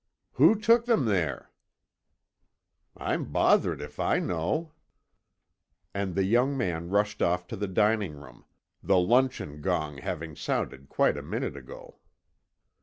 "Who took them there?" "I'm bothered if I know." And the young man rushed off to the dining room, the luncheon gong having sounded quite a minute ago.